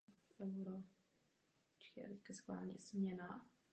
Diferenciace je zaměřena na vytvoření jedinečné nabídky u určitého druhu produktu.